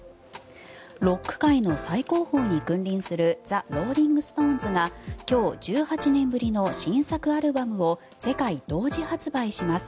ロック界の最高峰に君臨するザ・ローリング・ストーンズが今日、１８年ぶりの新作アルバムを世界同時発売します。